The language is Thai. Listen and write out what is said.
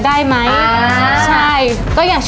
พี่หมวยถึงได้ใจอ่อนมั้งค่ะ